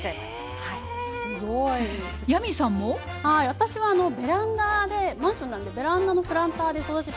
私はあのベランダでマンションなのでベランダのプランターで育ててるんですけど。